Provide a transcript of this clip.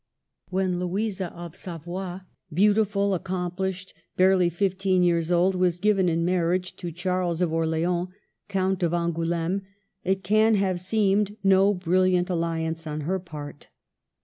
When Louisa of Savoy, beautiful, accom plished, barely fifteen years old, was given in marriage to Charles of Orleans, Count of An gouleme, it can have seemed no brilliant alli ance on her part.